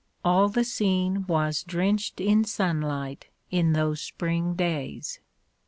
All the scene was drenched in sunlight in those spring days.